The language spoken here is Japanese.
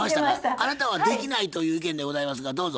あなたはできないという意見でございますがどうぞ。